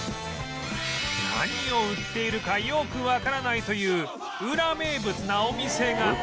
何を売っているかよくわからないというウラ名物なお店が